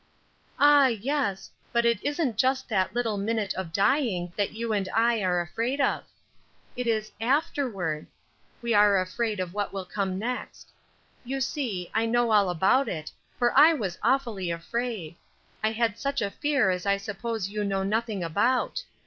"Ah, yes, but it isn't just that little minute of dying that you and I are afraid of; it is afterward. We are afraid of what will come next. You see, I know all about it, for I was awfully afraid; I had such a fear as I suppose you know nothing about.